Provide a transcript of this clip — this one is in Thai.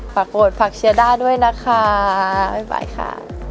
ฝากโปรดฝากเชียร์ด้าด้วยนะคะบ๊ายบายค่ะ